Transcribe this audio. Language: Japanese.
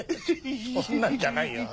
そんなんじゃないよ。